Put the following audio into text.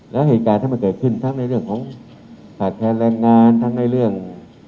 แล้วเหตุการณ์ที่มันเกิดขึ้นทั้งในเรื่องของขาดแคลนแรงงานทั้งในเรื่อง